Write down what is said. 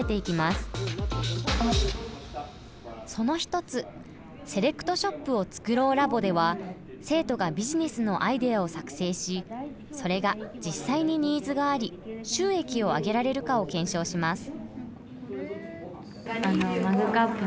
その一つ「セレクトショップを創ろうラボ」では生徒がビジネスのアイデアを作成しそれが実際にニーズがあり収益を上げられるかを検証します。